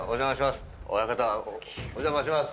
親方お邪魔します。